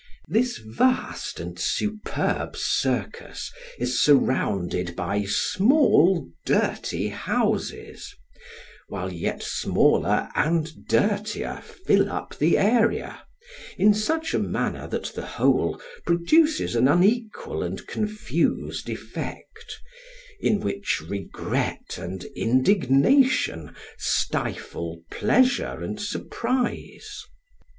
This vast and superb circus is surrounded by small dirty houses, while yet smaller and dirtier fill up the area, in such a manner that the whole produces an unequal and confused effect, in which regret and indignation stifle pleasure and surprise.